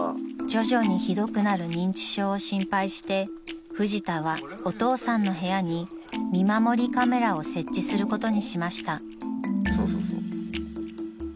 ［徐々にひどくなる認知症を心配してフジタはお父さんの部屋に見守りカメラを設置することにしました］